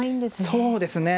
そうですね。